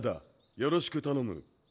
よろしく頼む。